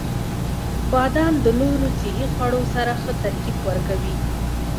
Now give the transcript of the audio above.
• بادام د نورو صحي خوړو سره ښه ترکیب ورکوي.